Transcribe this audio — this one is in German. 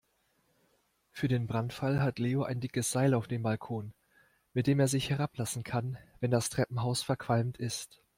Für den Brandfall hat Leo ein dickes Seil auf dem Balkon, mit dem er sich herablassen kann, wenn das Treppenhaus verqualmt ist.